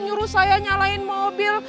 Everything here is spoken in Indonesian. nyuruh saya nyalain mobil